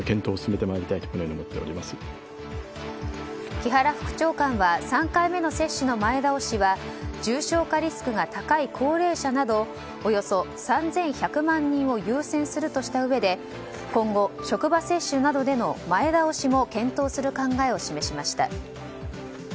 木原副長官は３回目の接種の前倒しは重症化リスクが高い高齢者などおよそ３１００万人を優先するとしたうえで今後、職場接種などでの前倒しも検討する考えを示しました。